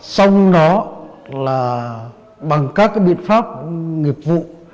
xong đó bằng các biện pháp nghiệp vụ